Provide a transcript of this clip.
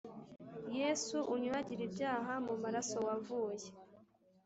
Yesu unyuhagire ibyaha mu maraso wavuye